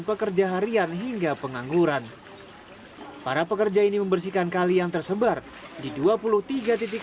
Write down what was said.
pekerja harian hingga pengangguran para pekerja ini membersihkan kali yang tersebar di dua puluh tiga titik